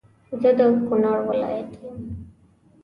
زه د کونړ ولایت يم